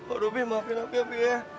aduh pi maafin aku ya pi ya